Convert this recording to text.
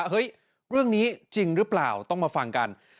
เฮ้ยเรื่องนี้จริงหรือเปล่าต้องมาฟังกัน